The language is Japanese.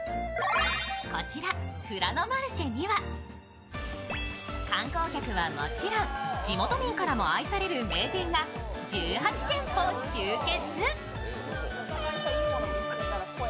こちらフラノマルシェには観光客はもちろん地元民からも愛される名店が１８店舗集結。